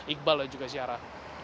iqbal dan juga syara